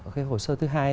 cái hồ sơ thứ hai